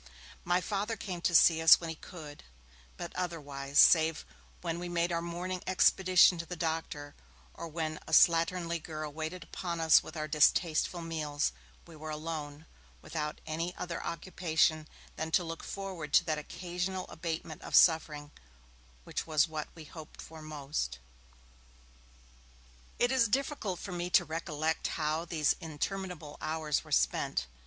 My Father came to see us when he could, but otherwise, save when we made our morning expedition to the doctor, or when a slatternly girl waited upon us with our distasteful meals, we were alone, without any other occupation than to look forward to that occasional abatement of suffering which was what we hoped for most. It is difficult for me to recollect how these interminable hours were spent.